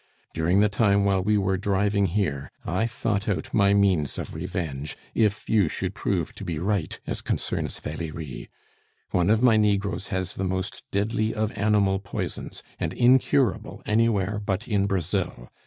During the time while we were driving her, I thought out my means of revenge, if you should prove to be right as concerns Valerie. One of my negroes has the most deadly of animal poisons, and incurable anywhere but in Brazil.